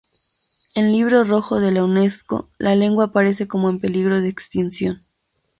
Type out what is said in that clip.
En Libro rojo de la Unesco la lengua aparece como en peligro de extinción.